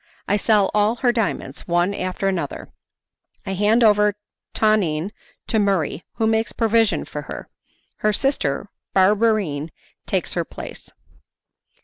I Sell all Her Diamonds, One After Another I Hand Over Tonine to Murray, Who Makes Provision for Her Her Sister Barberine Takes Her Place.